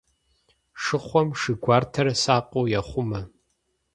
Шыхъуэм шы гуартэр сакъыу ехъумэ.